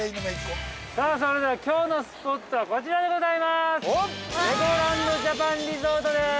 ◆さあ、それでは、きょうのスポットは、こちらでございます。